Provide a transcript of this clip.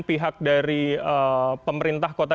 pihak dari pemerintah kota